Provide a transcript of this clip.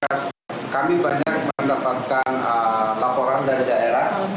ya sebenarnya kami banyak mendapatkan laporan dari daerah